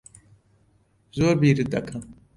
زۆر بیرت دەکەم.